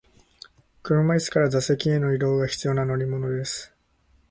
車椅子から座席への移動が必要な乗り物です。